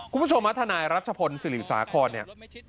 คุณผู้ชมวัฒนายรัชพลศิริสาข้อนี่